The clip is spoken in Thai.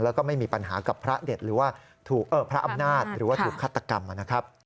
แล้วก็ไม่มีปัญหากับพระอำนาจหรือว่าถูกคัตกรรมนะครับ